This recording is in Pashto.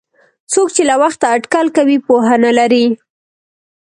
څوک چې له وخته اټکل کوي پوهه نه لري.